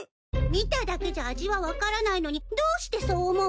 見ただけじゃ味は分からないのにどうしてそう思うの？